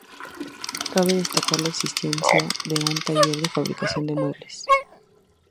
Cabe destacar la existencia de un taller de fabricación de muebles.